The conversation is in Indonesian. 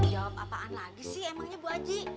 jawab apaan lagi sih emangnya bu haji